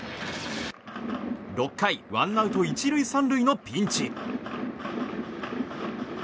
６回ワンアウト１塁３塁のピンチ。